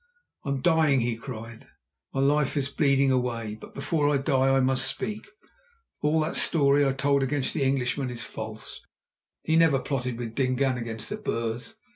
"I am dying," he cried; "my life is bleeding away, but before I die I must speak. All that story I told against the Englishman is false. He never plotted with Dingaan against the Boers.